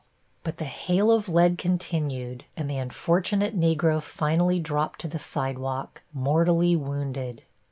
But the hail of lead continued, and the unfortunate Negro finally dropped to the sidewalk, mortally wounded.